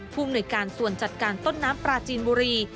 ภูมิหน่วยการส่วนจัดการต้นน้ำปลาจีนบุรี